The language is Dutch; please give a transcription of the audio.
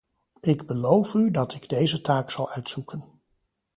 Ik beloof u dat ik deze zaak zal uitzoeken.